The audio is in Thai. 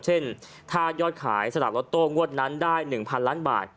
เช่นถ้ายอดขายสลากล็อตโต้งวดนั้นได้๑๐๐ล้านบาท